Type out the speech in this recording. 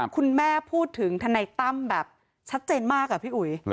คุณแม่พูดถึงทนายตั้มแบบชัดเจนมากอะพี่อุ๋ย